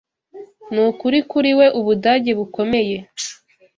Nukuri kuri we - Ubudage bukomeye,